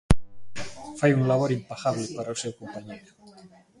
Fai un labor impagable para o seu compañeiro.